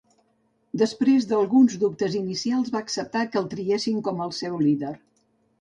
Després d'alguns dubtes inicials va acceptar que el triessin com el seu líder.